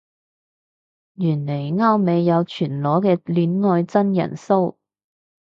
原來歐美有全裸嘅戀愛真人騷